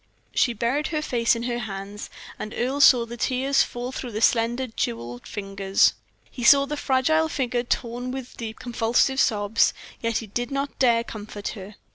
She buried her face in her hands, and Earle saw the tears fall through her slender, jeweled fingers. He saw the fragile figure torn with deep, convulsive sobs, yet he did not dare comfort her.